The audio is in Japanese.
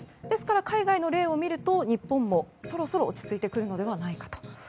ですから海外の例を見ると日本もそろそろ落ち着いてくるのではないかと。